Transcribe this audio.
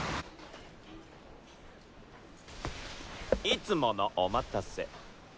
いつものお待たせ。